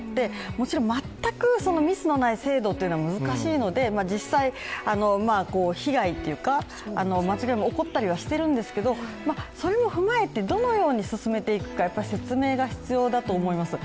もちろん、全くミスのない制度は難しいので、実際、被害というか間違いも起こったりしてるんですけどそれを踏まえてどのように進めていくか、やはり説明が必要だと思います。